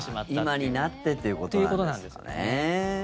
今になってということなんですかね。